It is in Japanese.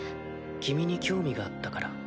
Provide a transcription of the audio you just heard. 君に興味があったから。